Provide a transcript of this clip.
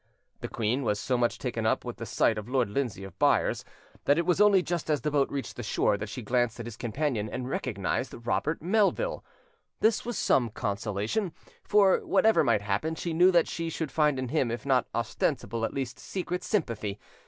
The queen was so much taken up with the sight of Lord Lindsay of Byres, that it was only just as the boat reached the shore that she glanced at his companion and recognised Robert Melville: this was some consolation, for, whatever might happen, she knew that she should find in him if not ostensible at least secret sympathy.